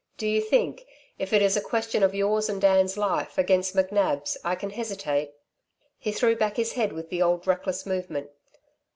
Do you think if it is a question of yours and Dan's life against McNab's, I can hesitate?" He threw back his head with the old reckless movement.